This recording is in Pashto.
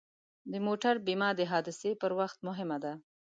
د موټر بیمه د حادثې پر وخت مهمه ده.